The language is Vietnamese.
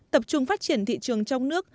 tập trung phát triển thị trường trong nước